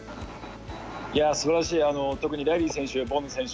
すばらしい特にライリー選手ボンド選手